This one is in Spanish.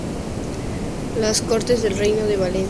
Las Cortes del reino de Valencia nunca llegaron a convocarse.